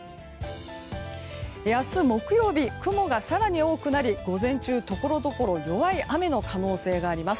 明日木曜日雲が更に多くなり午前中、ところどころ弱い雨の可能性があります。